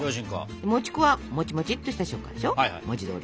もち粉はもちもちっとした食感でしょ文字どおり。